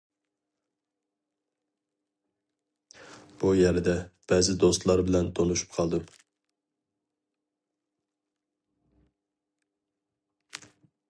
بۇ يەردە، بەزى دوستلار بىلەن تونۇشۇپ قالدىم.